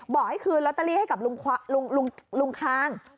บอกให้คืนลอตเตอรี่ให้กับลุงคาง